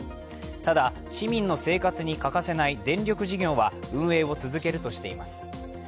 ただ、市民の生活に欠かせない電力事業は運営を続けるとしています。